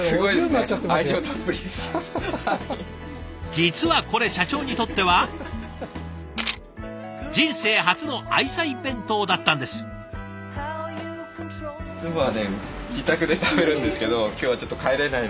実はこれ社長にとっては人生初の愛妻弁当だったんです。